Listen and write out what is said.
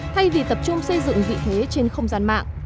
thay vì tập trung xây dựng vị thế trên không gian mạng